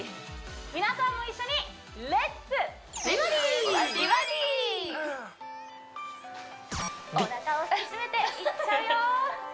皆さんも一緒におなかを引き締めていっちゃうよ